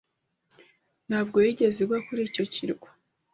Ntabwo yigeze igwa kuri icyo kirwa.